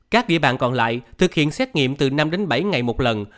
các địa bàn còn lại thực hiện xét nghiệm từ năm đến bảy ngày một lần